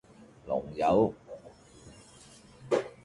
龍友